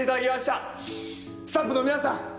スタッフの皆さん